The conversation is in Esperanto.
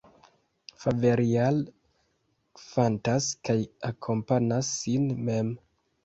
Faverial kantas kaj akompanas sin mem.